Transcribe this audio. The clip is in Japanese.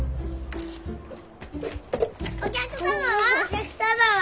お客様は？